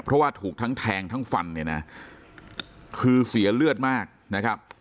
เพราะว่าถูกทั้งแทงทั้งฟันเนี่ยนะคือเสียเลือดมากนะครับ